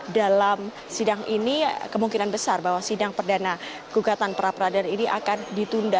dalam sidang ini kemungkinan besar bahwa sidang perdana kegiatan perapradilan ini akan ditunda